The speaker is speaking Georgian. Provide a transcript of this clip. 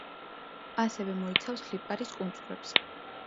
ასევე მოიცავს ლიპარის კუნძულებს.